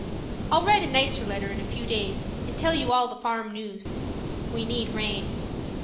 I'll write a nicer letter in a few days and tell you all the farm news. We need rain.